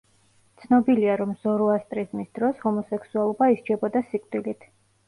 ცნობილია, რომ ზოროასტრიზმის დროს ჰომოსექსუალობა ისჯებოდა სიკვდილით.